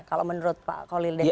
kalau menurut pak kolil dan